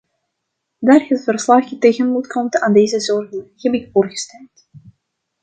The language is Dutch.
Daar het verslag tegemoetkomt aan deze zorgen, heb ik voor gestemd.